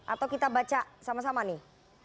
atau kita baca sama sama nih